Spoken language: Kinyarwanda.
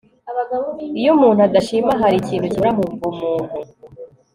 iyo umuntu adashima, hari ikintu kibura mu bumuntu